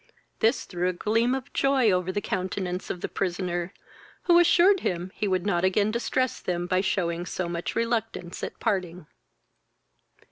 This threw a gleam of joy over the countenance of the prisoner, who assured him he would not again distress them by shewing so much reluctance at parting.